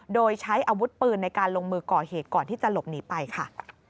โดยใช้อาวุธปืนในการลงมือก่อเหตุก่อนที่จะหลบหนีไปค่ะ